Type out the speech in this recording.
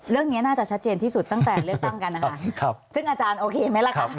เรื่องนี้น่าจะชัดเจนที่สุดตั้งแต่เลือกตั้งกันนะครับ